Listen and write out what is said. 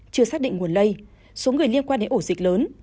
chưa xác định nguồn lây số người liên quan đến ổ dịch lớn